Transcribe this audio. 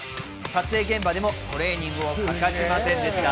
撮影現場でもトレーニングを欠かしませんでした。